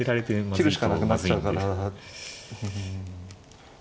切るしかなくなっちゃうから。